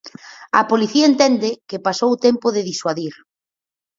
A policía entende que pasou o tempo de disuadir.